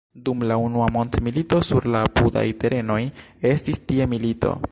Dum la Unua Mondmilito sur la apudaj terenoj estis tie milito.